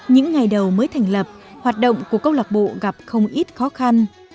những ngày đầu mới thành lập hoạt động của câu lạc bộ gặp không ít khó khăn